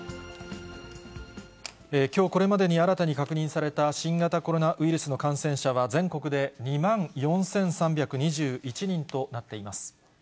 きょうこれまでに新たに確認された新型コロナウイルスの感染者は、全国で２万４３２１人となっています。